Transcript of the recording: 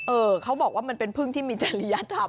เขาบอกว่ามันเป็นพึ่งที่มีจริยธรรม